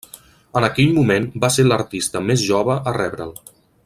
En aquell moment va ser l'artista més jove a rebre'l.